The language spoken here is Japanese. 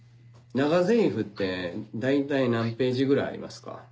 長ゼリフって大体何ページぐらいありますか？